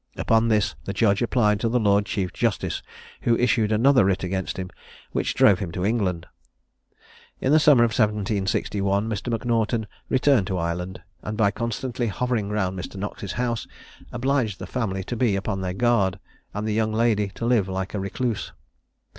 Upon this the judge applied to the lord chief justice, who issued another writ against him, which drove him to England. In the summer of 1761, Mr. M'Naughton returned to Ireland, and by constantly hovering round Mr. Knox's house, obliged the family to be upon their guard, and the young lady to live like a recluse.